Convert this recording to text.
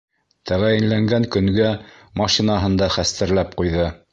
Тәғәйенләнгән көнгә машинаһын да хәстәрләп ҡуйҙы.